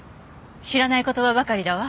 知らない言葉ばかりだわ。